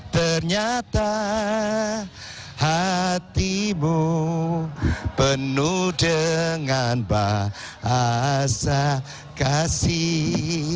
ternyata hatimu penuh dengan bahasa kasih